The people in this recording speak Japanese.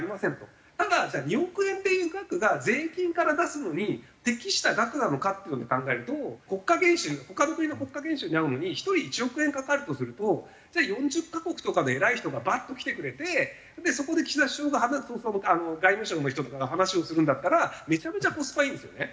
ただじゃあ２億円っていう額が税金から出すのに適した額なのかっていうので考えると国家元首他の国の国家元首に会うのに１人１億円かかるとするとじゃあ４０カ国とかで偉い人がバッと来てくれてそこで岸田首相が外務省の人とかが話をするんだったらめちゃめちゃコスパいいんですよね。